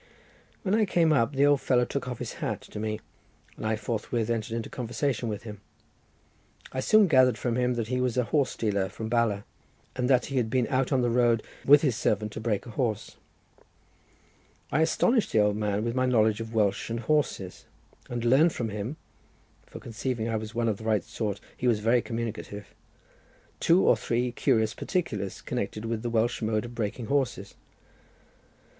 When I came up the old fellow took off his hat to me, and I forthwith entered into conversation with him. I soon gathered from him that he was a horse dealer from Bala, and that he had been out on the road with his servant to break a horse. I astonished the old man with my knowledge of Welsh and horses, and learned from him, for conceiving I was one of the right sort, he was very communicative, two or three curious particulars connected with the Welsh mode of breaking horses.